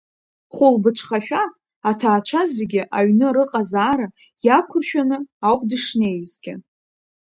Хәылбыҽхашәа, аҭаацәа зегьы аҩны рыҟазаара иақәыршәаны ауп дышнеизгьы.